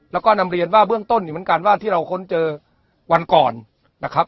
แล้วก็นำเรียนว่าเบื้องต้นอยู่เหมือนกันว่าที่เราค้นเจอวันก่อนนะครับ